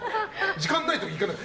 時間ない時に行かない。